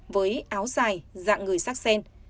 với áo dài dạng người sắc sen